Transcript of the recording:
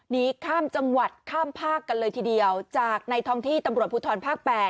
หนีข้ามจังหวัดข้ามภาคกันเลยทีเดียวจากในท้องที่ตำรวจภูทรภาค๘